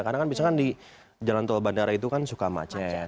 kadang kadang misalnya di jalan tol bandara itu kan suka macet